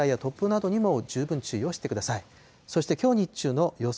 そしてきょう日中の予想